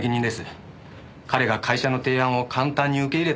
彼が会社の提案を簡単に受け入れたから。